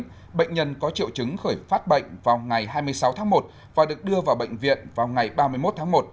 trong đó bệnh nhân có triệu chứng khởi phát bệnh vào ngày hai mươi sáu tháng một và được đưa vào bệnh viện vào ngày ba mươi một tháng một